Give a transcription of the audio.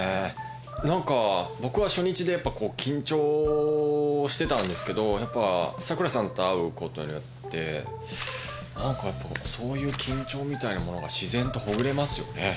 何か僕は初日で緊張してたんですけどやっぱサクラさんと会うことによって何かやっぱそういう緊張みたいなものが自然とほぐれますよね。